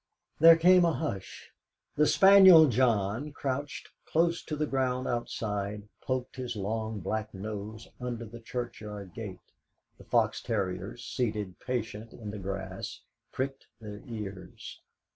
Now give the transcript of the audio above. There came a hush. The spaniel John, crouched close to the ground outside, poked his long black nose under the churchyard gate; the fox terriers, seated patient in the grass, pricked their ears.